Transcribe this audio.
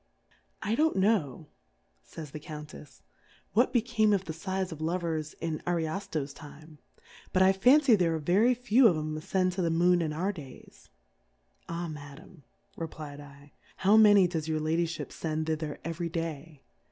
I don'^t know, fays the Count efy what became of the Sighs of Lovers in QArio/io\ Time, but I fan cy there are very few of 'em afcend to the Moon in our Days. Ah, Madam, refifdl^ how many does Your Lady fliip fend thither eveiy Day?